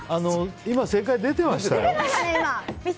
今、正解出ていましたよ。